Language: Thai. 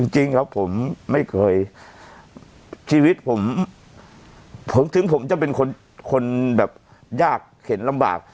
จริงครับผมไม่เคยชีวิตผมผมถึงผมจะเป็นคนแบบยากเข็นลำบาก